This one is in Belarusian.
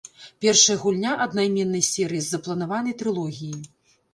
Першая гульня аднайменнай серыі з запланаванай трылогіі.